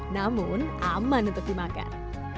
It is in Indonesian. namun aman untuk dimakan